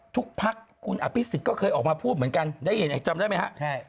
ทุกพักคุณอภิษฎก็เคยออกมาพูดเหมือนกันได้เห็นจำได้ไหมฮะ